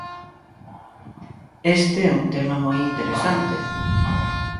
Este é un tema moi interesante.